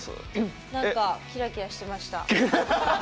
なんかキラキラしていました。